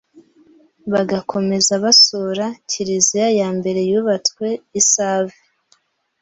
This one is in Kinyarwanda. bagakomeza basura kiliziya ya mbere yubatswe i Save